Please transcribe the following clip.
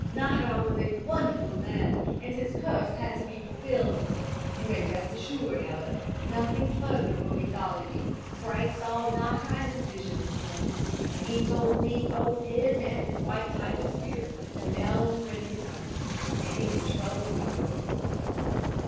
Nahra was a wonderful man, and his curse had to be fulfilled. You may rest assured, however, nothing further will befall you, for I saw Nahra in a vision this morning, and he told me both his and the white tiger's spirit were now on friendly terms, and would trouble you no more.'